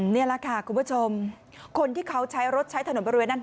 นี่แหละค่ะคุณผู้ชมคนที่เขาใช้รถใช้ถนนบริเวณนั้น